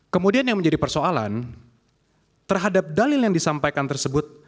kemudian yang menjadi persoalan terhadap dalil yang disampaikan tersebut